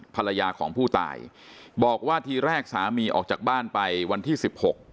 ภรรยาของผู้ตายบอกว่าทีแรกสามีออกจากบ้านไปวันที่สิบหก